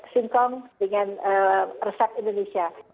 singkong dengan resep indonesia